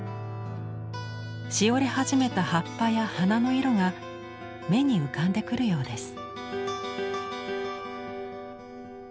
しおれ始めた葉っぱや花の色が目に浮かんでくるようです。